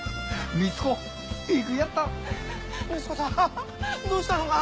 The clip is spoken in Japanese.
みち子さんどうしたのかな？